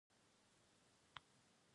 منابع پای لري.